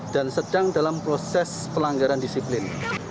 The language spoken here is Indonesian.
dan sedang dalam proses pelanggaran disiplin